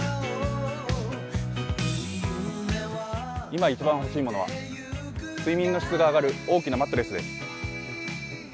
今、一番欲しいものは睡眠の質が上がる大きなマットレスです。